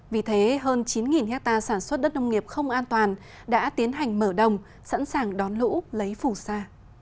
vì thế hơn chín ha sản xuất đất nông nghiệp không an toàn đã tiến hành mở đồng sẵn sàng đón lũ lấy phủ xa